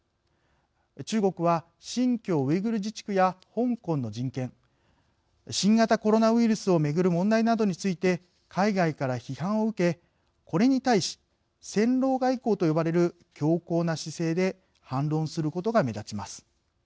中国は、新疆ウイグル自治区や香港の人権新型コロナウイルスをめぐる問題などについて海外から批判を受けこれに対し戦狼外交と呼ばれる強硬な姿勢で反論することが目立ちます。